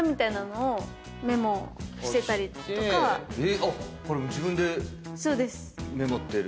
えこれ自分でメモってる？